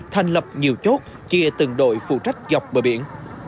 thành lập nhiều chốt chia từng đội phụ trách dọc bờ biển